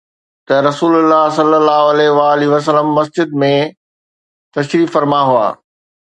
ته رسول الله صلي الله عليه وآله وسلم مسجد ۾ تشریف فرما هئا